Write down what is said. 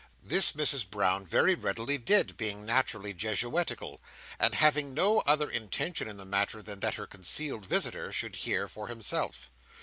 This Mrs Brown very readily did: being naturally Jesuitical; and having no other intention in the matter than that her concealed visitor should hear for himself.